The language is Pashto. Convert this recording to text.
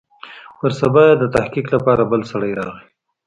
پر سبا يې د تحقيق لپاره بل سړى راغى.